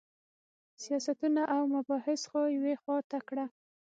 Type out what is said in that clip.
سیاستونه او مباحث خو یوې خوا ته کړه.